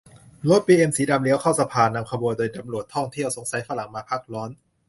รถบีเอ็มสีดำเลี้ยวเข้าสภา นำขบวนโดยรถตำรวจท่องเที่ยว สงสัยฝรั่งมาพักร้อน